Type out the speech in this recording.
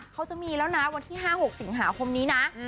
เขาจะมีแล้วนะวันที่๕๖สิงหาคมนี้นะ